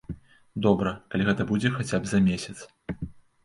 Добра, калі гэта будзе хаця б за месяц.